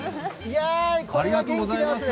これは元気出ますね。